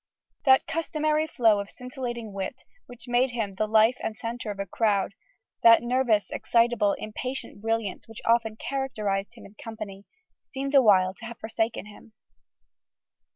That customary flow of scintillating wit, which made him the life and centre of a crowd that nervous, excitable, impatient brilliance which often characterized him in company seemed awhile to have forsaken him.